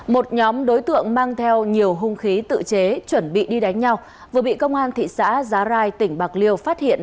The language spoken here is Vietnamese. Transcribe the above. một nhóm đối tượng mang theo nhiều hung khí tự chế chuẩn bị đi đánh nhau vừa bị công an thị xã giá rai tỉnh bạc liêu phát hiện